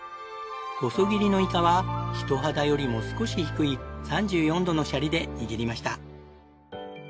細切りのイカは人肌よりも少し低い３４度のシャリで握りました。